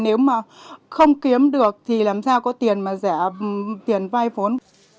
nếu mà không kiếm được thì làm sao có tiền mà rẻ tiền vai vốn